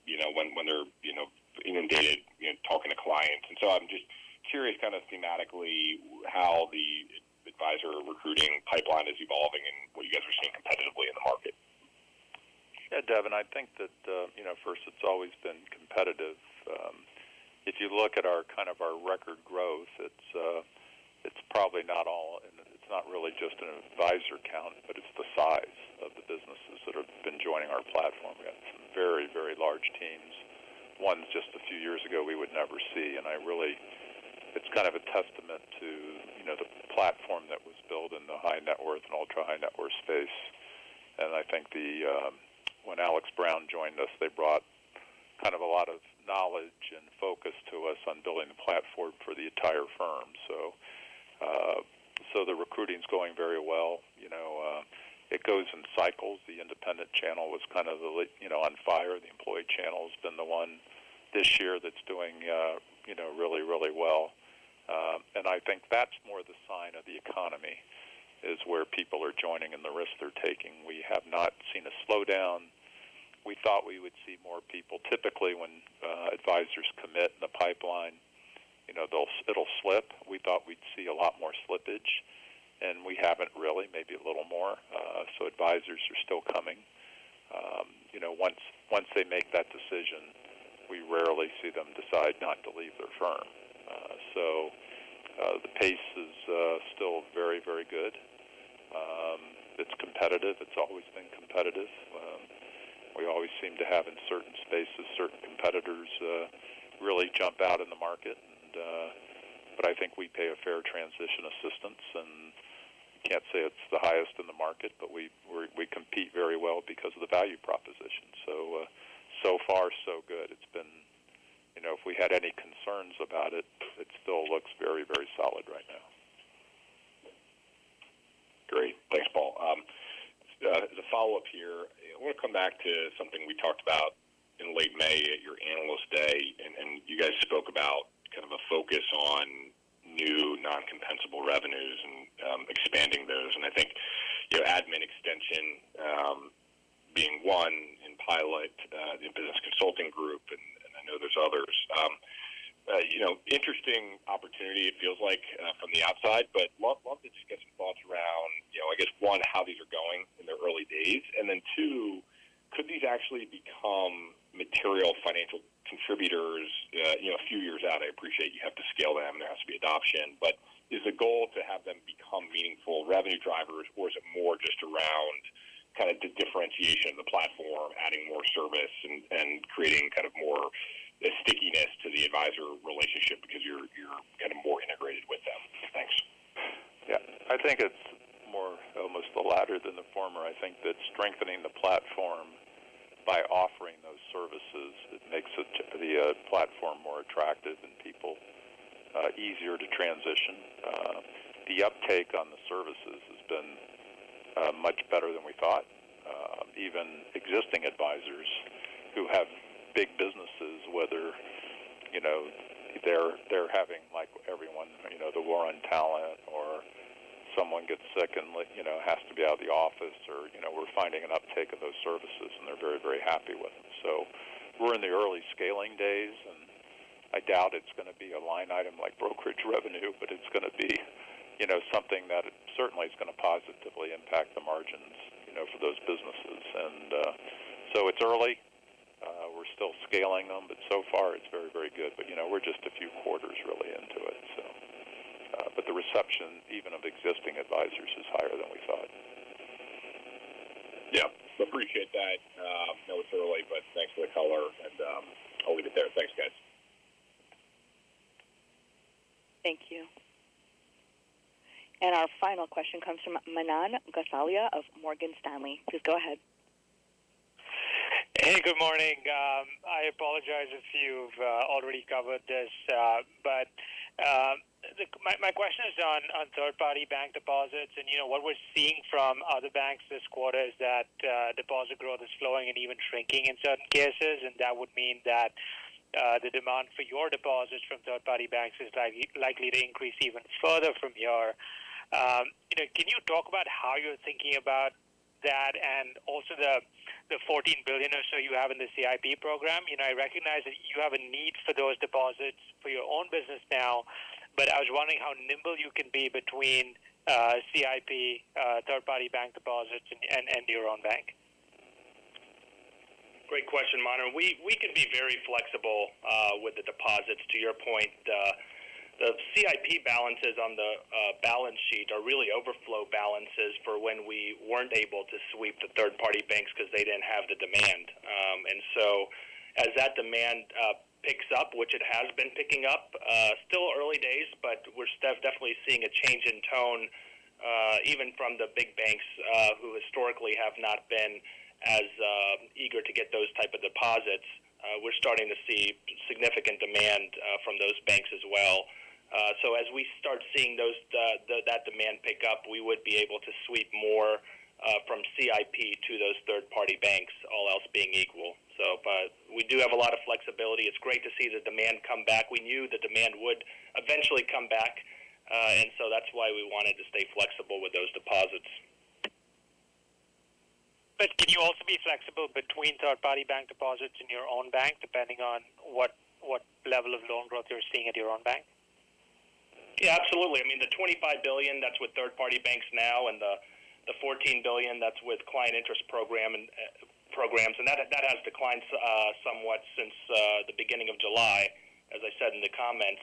you know, when they're, you know, inundated, you know, talking to clients. I'm just curious kind of thematically how the advisor recruiting pipeline is evolving and what you guys are seeing competitively in the market. Yeah, Devin, I think that, you know, first it's always been competitive. If you look at our record growth, it's probably not all and it's not really just an advisor count, but it's the size of the businesses that have been joining our platform. We have some very, very large teams. One, just a few years ago, we would never see. It's kind of a testament to, you know, the platform that was built in the high net worth and ultra-high net worth space. I think then, when Alex. Brown joined us, they brought kind of a lot of knowledge and focus to us on building the platform for the entire firm. The recruiting's going very well. You know, it goes in cycles. The independent channel was kind of, you know, on fire. The employee channel's been the one this year that's doing, you know, really, really well. I think that's more the sign of the economy, is where people are joining and the risks they're taking. We have not seen a slowdown. We thought we would see more people. Typically, when advisors commit in the pipeline, you know, it'll slip. We thought we'd see a lot more slippage, and we haven't really. Maybe a little more. Advisors are still coming. You know, once they make that decision, we rarely see them decide not to leave their firm. The pace is still very, very good. It's competitive. It's always been competitive. We always seem to have in certain spaces, certain competitors really jump out in the market. I think we pay a fair transition assistance, and can't say it's the highest in the market, but we compete very well because of the value proposition. So far so good. You know, if we had any concerns about it still looks very, very solid right now. Great. Thanks, Paul. As a follow-up here, I wanna come back to something we talked about in late May at your Analyst Day, and you guys spoke about kind of a focus on new non-compensable revenues and expanding those. I think, you know, admin extension being one in pilot, the business consulting group, and I know there's others. You know, interesting opportunity it feels like from the outside. But love to just get some thoughts around, you know, I guess, one, how these are going in their early days. And then two, could these actually become material financial contributors, you know, a few years out? I appreciate you have to scale them, and there has to be adoption. is the goal to have them become meaningful revenue drivers, or is it more just around kind of the differentiation of the platform, adding more service and creating kind of more the stickiness to the advisor relationship? I think it's more almost the latter than the former. I think that strengthening the platform by offering those services, it makes the platform more attractive and people easier to transition. The uptake on the services has been much better than we thought. Even existing advisors who have big businesses, whether, you know, they're having like everyone, you know, the war on talent or someone gets sick and like, you know, has to be out of the office or, you know. We're finding an uptake of those services, and they're very, very happy with them. We're in the early scaling days, and I doubt it's going to be a line item like brokerage revenue, but it's going to be, you know, something that certainly is going to positively impact the margins, you know, for those businesses. It's early. We're still scaling them, but so far it's very, very good. You know, we're just a few quarters really into it, so. The reception even of existing advisors is higher than we thought. Yeah. Appreciate that. I know it's early, but thanks for the color, and I'll leave it there. Thanks, guys. Thank you. Our final question comes from Manan Gosalia of Morgan Stanley. Please go ahead. Hey, good morning. I apologize if you've already covered this. My question is on third-party bank deposits. You know, what we're seeing from other banks this quarter is that deposit growth is slowing and even shrinking in certain cases. That would mean that the demand for your deposits from third-party banks is likely to increase even further from your. You know, can you talk about how you're thinking about that and also the $14 billion or so you have in the CIP program? You know, I recognize that you have a need for those deposits for your own business now, but I was wondering how nimble you can be between CIP, third-party bank deposits and your own bank. Great question, Manan. We can be very flexible with the deposits. To your point, the CIP balances on the balance sheet are really overflow balances for when we weren't able to sweep the third-party banks because they didn't have the demand. As that demand picks up, which it has been picking up, still early days, but we're definitely seeing a change in tone even from the big banks who historically have not been as eager to get those type of deposits. We're starting to see significant demand from those banks as well. As we start seeing that demand pick up, we would be able to sweep more from CIP to those third-party banks, all else being equal. We do have a lot of flexibility. It's great to see the demand come back. We knew the demand would eventually come back. That's why we wanted to stay flexible with those deposits. Could you also be flexible between third-party bank deposits and your own bank, depending on what level of loan growth you're seeing at your own bank? Yeah, absolutely. I mean, the $25 billion, that's with third-party banks now and the $14 billion that's with client interest program and programs. That has declined somewhat since the beginning of July, as I said in the comments.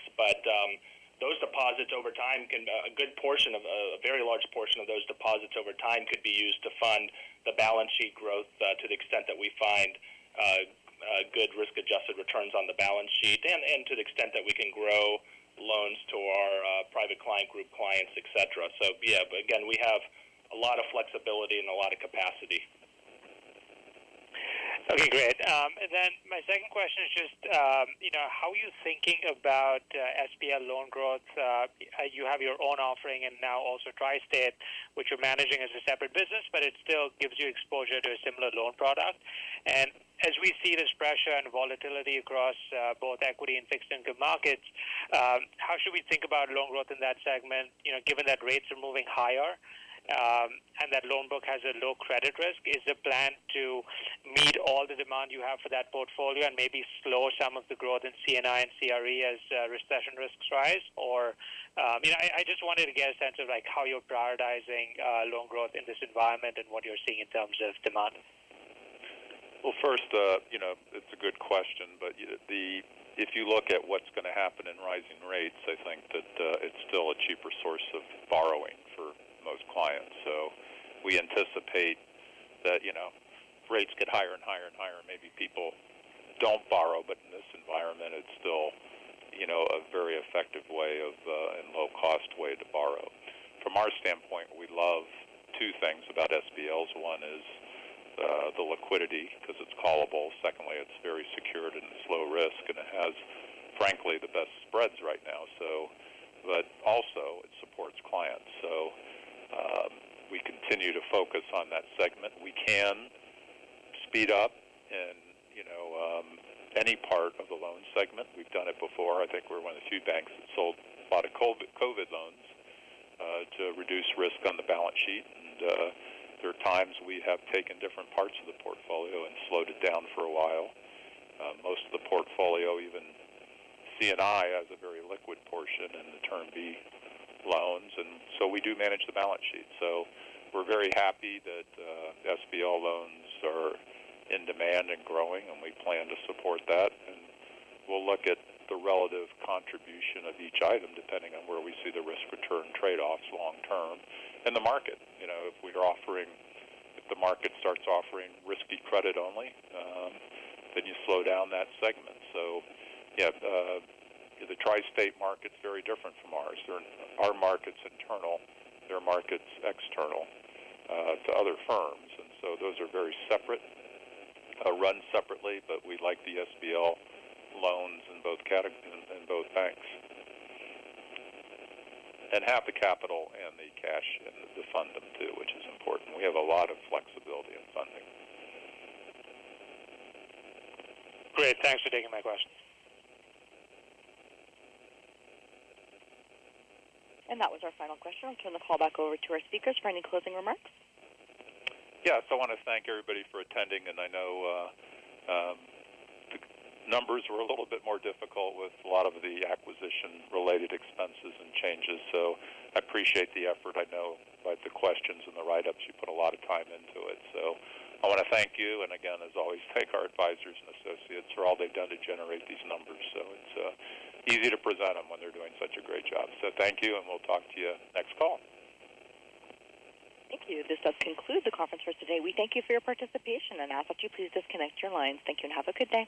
A very large portion of those deposits over time could be used to fund the balance sheet growth, to the extent that we find a good risk-adjusted returns on the balance sheet and to the extent that we can grow loans to our Private Client Group clients, et cetera. Yeah. Again, we have a lot of flexibility and a lot of capacity. Okay, great. My second question is just, you know, how are you thinking about SBL loan growth? You have your own offering and now also TriState, which you're managing as a separate business, but it still gives you exposure to a similar loan product. As we see this pressure and volatility across both equity and fixed income markets, how should we think about loan growth in that segment? You know, given that rates are moving higher, and that loan book has a low credit risk. Is the plan to meet all the demand you have for that portfolio and maybe slow some of the growth in C&I and CRE as recession risks rise or? You know, I just wanted to get a sense of like how you're prioritizing loan growth in this environment and what you're seeing in terms of demand? Well, first, you know, it's a good question. If you look at what's going to happen in rising rates, I think that it's still a cheaper source of borrowing for most clients. We anticipate that, you know, rates get higher and higher and higher, and maybe people don't borrow. In this environment, it's still, you know, a very effective way of and low cost way to borrow. From our standpoint, we love two things about SBLs. One is the liquidity because it's callable. Secondly, it's very secured and it's low risk, and it has, frankly, the best spreads right now. But also it supports clients. We continue to focus on that segment. We can speed up in, you know, any part of the loan segment. We've done it before. I think we're one of the few banks that sold a lot of COVID loans to reduce risk on the balance sheet. There are times we have taken different parts of the portfolio and slowed it down for a while. Most of the portfolio, even C&I has a very liquid portion in the Term Loan B. We do manage the balance sheet. We're very happy that SBL loans are in demand and growing, and we plan to support that. We'll look at the relative contribution of each item depending on where we see the risk-return trade-offs long-term in the market. You know, if the market starts offering risky credit only, then you slow down that segment. Yeah. The TriState Capital market's very different from ours. Our market's internal, their market's external to other firms. Those are very separate, run separately. We like the SBL loans in both banks and have the capital and the cash to fund them too, which is important. We have a lot of flexibility in funding. Great. Thanks for taking my questions. That was our final question. I'll turn the call back over to our speakers for any closing remarks. Yeah. I want to thank everybody for attending. I know the numbers were a little bit more difficult with a lot of the acquisition-related expenses and changes. I appreciate the effort. I know by the questions and the write-ups, you put a lot of time into it. I want to thank you. Again, as always, thank our advisors and associates for all they've done to generate these numbers. It's easy to present them when they're doing such a great job. Thank you, and we'll talk to you next call. Thank you. This does conclude the conference for today. We thank you for your participation and ask that you please disconnect your lines. Thank you and have a good day.